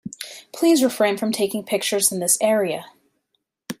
Please refrain from taking pictures in this area.